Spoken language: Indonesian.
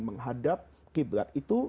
menghadap qiblat itu